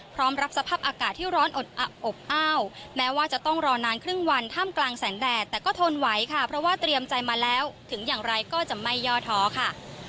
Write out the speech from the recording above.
รับสภาพอากาศที่ร้อนอดอับอบอ้าวแม้ว่าจะต้องรอนานครึ่งวันท่ามกลางแสงแดดแต่ก็ทนไหวค่ะเพราะว่าเตรียมใจมาแล้วถึงอย่างไรก็จะไม่ย่อท้อค่ะ